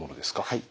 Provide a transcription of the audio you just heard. はい。